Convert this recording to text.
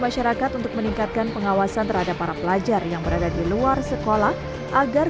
masyarakat untuk meningkatkan pengawasan terhadap para pelajar yang berada di luar sekolah agar